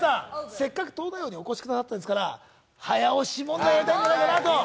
せっかく「東大王」にお越しくださったんですから、早押し問題やりたいんじゃないかなと。